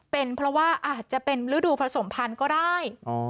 เป็นเพราะว่าอาจจะเป็นฤดูผสมพันธุ์ก็ได้